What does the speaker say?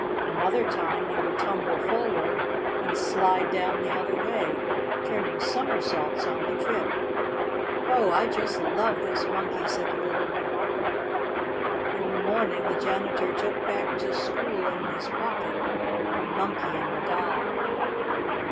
Another time he would tumble forward and slide down the other way, turning somersaults on the trip. "Oh, I just love this Monkey!" said the little girl. In the morning the janitor took back to school in his pocket the Monkey and the Doll.